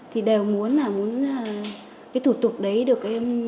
thì đều muốn thủ tục đấy được giảm